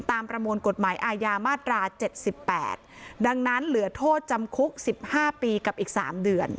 ตามประมวลกฎหมายอายามาตราเจ็ดสิบแปดดังนั้นเหลือโทษจำคุกสิบห้าปีกับอีกสามเดือน